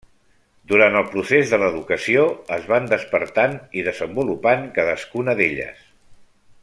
Durant el procés de l'educació es van despertant i desenvolupant cadascuna d'elles.